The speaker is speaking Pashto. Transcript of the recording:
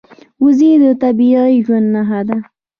وزې د طبیعي ژوند نښه ده